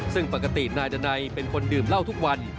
ซึ่งปกตินายดันัยเป็นคนดื่มเหล้าทุกวัน